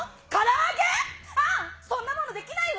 ああ、そんなものできないわ！